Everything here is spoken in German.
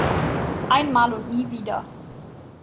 Einmal und nie wieder.